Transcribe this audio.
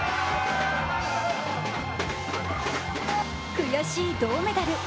悔しい銅メダル。